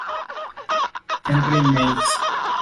Henry Meiggs